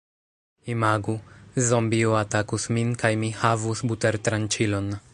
Imagu... zombio atakus min kaj mi havus butertranĉilon